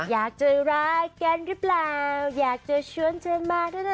อยากจะรักกันหรือเปล่าอยากจะชวนเชิญมาด้วยนะ